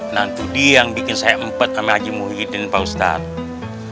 nah itu dia yang bikin saya empat sama haji muhyiddin pak ustadz